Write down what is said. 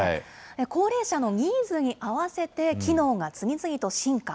高齢者のニーズに合わせて機能が次々と進化。